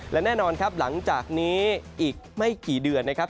และแน่นอนครับหลังจากนี้อีกไม่กี่เดือนนะครับ